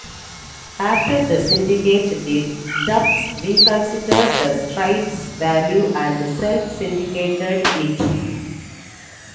After the syndicate did, Tufts reconsidered the strip's value and self-syndicated it.